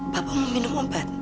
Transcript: bapak mau minum obat